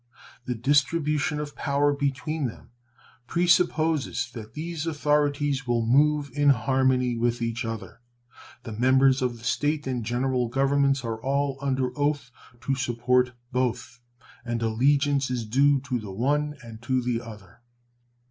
The distribution of power between them presupposes that these authorities will move in harmony with each other. The members of the State and General Governments are all under oath to support both, and allegiance is due to the one and to the other.